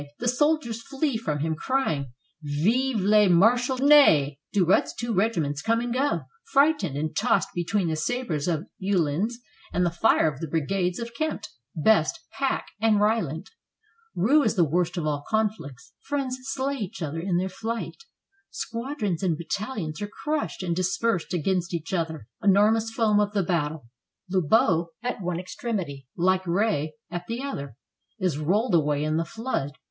The soldiers flee from him, crying: '^Vive le Marshal Ney t^^ Durutte's two regiments come and go, frightened and tossed between the sabers of the Uhlans 382 WATERLOO and the fire of the brigades of Kempt, Best, Pack, and Rylandt; rout is the worst of all conflicts; friends slay each other in their flight; squadrons and battahons are crushed and dispersed against each other, enormous foam of the battle. Lobau at one extremity, like Reille at the other, is rolled away in the flood.